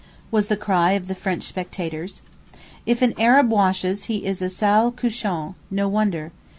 was the cry of the French spectators. If an Arab washes he is a sale cochon—no wonder!